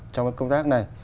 trong cái công tác này